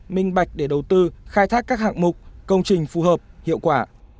minh bạch để đầu tư khai thác các hạng mục công trình phù hợp hiệu quả